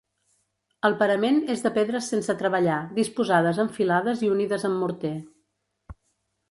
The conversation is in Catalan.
El parament és de pedres sense treballar, disposades en filades i unides amb morter.